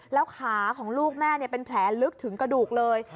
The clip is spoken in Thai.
แล้วขาของลูกแม่เป็นแผลลึกถึงกระดูกเลย